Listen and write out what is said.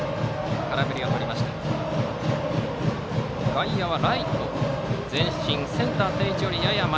外野はライトが前進センターは定位置よりやや前。